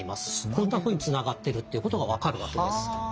こんなふうにつながってるっていうことが分かるわけです。